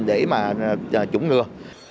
để mà chủng ngừa